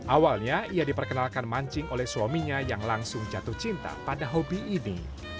awalnya ia diperkenalkan mancing oleh suaminya yang langsung jatuh cinta pada hobi ini